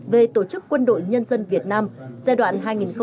về tổ chức quân đội nhân dân việt nam giai đoạn hai nghìn hai mươi một hai nghìn ba mươi